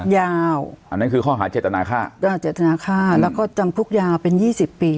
ยาวอันนั้นคือข้อหาเจตนาฆ่าเจตนาค่าแล้วก็จำคุกยาวเป็นยี่สิบปี